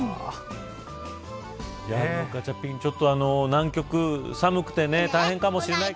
ガチャピン、南極寒くて大変かもしれないけど。